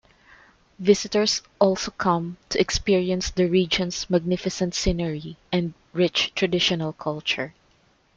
Visitors also come to experience the region's magnificent scenery and rich traditional culture.